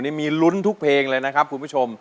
นี่มีลุ้นทุกเพลงเลยนะครับคุณผู้ชม